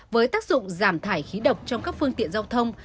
với tác dụng giảm thải khí độc trong các phương tiện giao thông